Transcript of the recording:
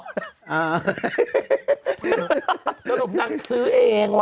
สรุปนางซื้อเองว่